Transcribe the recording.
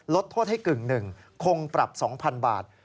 ลดโทษให้๑ใน๑คงปรับ๒๐๐๐บาท